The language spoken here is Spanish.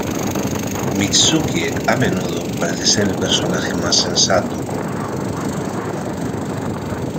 Mitsuki a menudo parece ser el personaje más sensato.